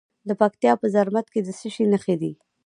د پکتیا په زرمت کې د څه شي نښې دي؟